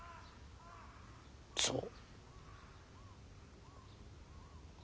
そう。